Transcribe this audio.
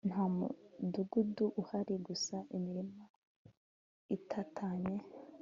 Nta mudugudu uhari gusa imirima itatanye